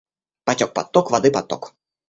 Потек под ток воды поток.